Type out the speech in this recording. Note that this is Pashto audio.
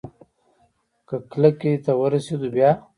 که کلکې ته ورسېدو بيا؟